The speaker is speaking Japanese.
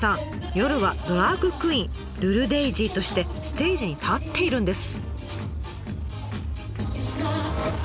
夜はドラァグクイーンルルデイジーとしてステージに立っているんです。